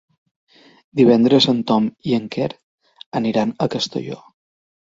Divendres en Tom i en Quer aniran a Castelló.